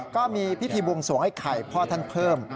ก็มีพิธีบวงสวงไอ้ไข่พ่อท่านเพิ่ม